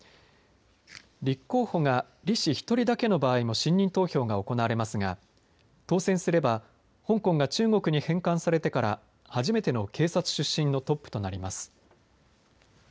立候補が李氏１人だけの場合も信任投票が行われますが当選すれば香港が中国に返還されてから初めての警察出身のトップとなります。